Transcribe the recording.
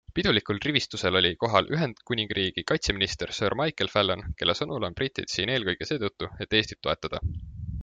Pidulikul rivistusel oli kohal Ühendkuningriigi kaitseminister Sir Michael Fallon, kelle sõnul on britid siin eelkõige seetõttu, et Eestit toetada.